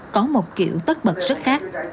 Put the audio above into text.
có một kiểu tất bật rất khác